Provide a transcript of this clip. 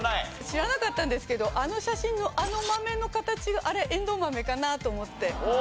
知らなかったんですけどあの写真のあの豆の形があれえんどう豆かなと思って。